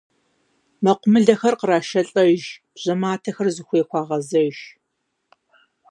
Мэкъумылэр кърашэлӀэж, бжьэматэхэр зыхуей хуагъэзэж.